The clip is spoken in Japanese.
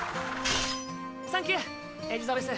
サンキューエリザベス。